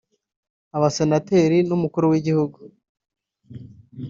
abasenateri n’umukuru w’igihugu